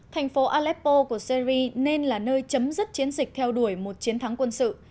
thành phố aleppo của syri nên là nơi chấm dứt chiến dịch theo đuổi một chiến thắng quân sự